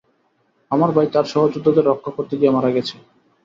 আমার ভাই তার সহযোদ্ধাদের রক্ষা করতে গিয়ে মারা গেছে।